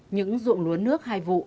những ruộng lúa nước hai vụ